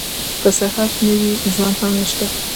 که صحت نه وي ژوند هم نشته.